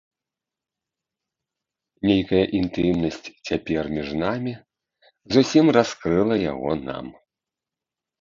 Нейкая інтымнасць цяпер між намі зусім раскрыла яго нам.